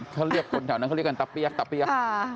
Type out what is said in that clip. เขาเรียกคนแถวนั้นเขาเรียกกันตะเปี๊ยกตาเปี๊ยก